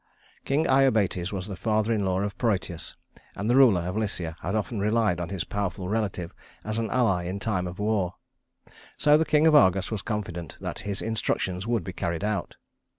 King Iobates was the father in law of Prœtus; and the ruler of Lycia had often relied on his powerful relative as an ally in time of war; so the king of Argos was confident that his instructions would be carried out.